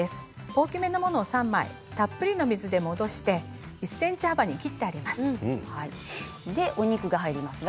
大きめのものを３枚たっぷりの水で戻して１ｃｍ幅に切ってあります。